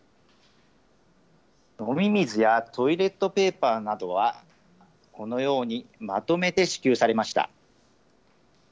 飲み水やトイレットペーパーなどは、このようにまとめて支給されました。